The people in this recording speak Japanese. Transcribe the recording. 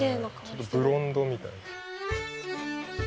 ちょっとブロンドみたいな。